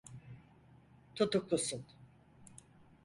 Tutuklusun.